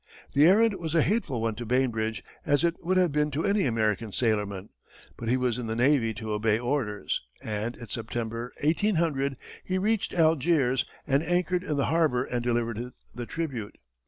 The errand was a hateful one to Bainbridge, as it would have been to any American sailorman; but he was in the navy to obey orders, and in September, 1800, he reached Algiers and anchored in the harbor and delivered the tribute.